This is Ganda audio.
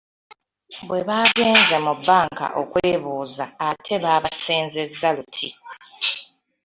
Bwe baagenze mu bbanka okwebuuza ate babasenzezza luti